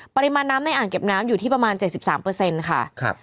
ปริมาณน้ำในอ่างเก็บน้ำอยู่ที่ประมาณเจ็ดสิบสามเปอร์เซ็นต์ค่ะครับ